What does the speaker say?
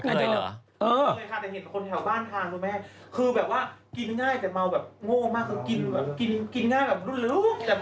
แต่เห็นคนแถวบ้านทางคุณแม่คือแบบว่ากินง่ายแต่เมาแบบโง่มาก